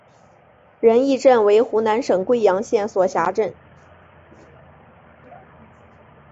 仁义镇为湖南省桂阳县所辖镇。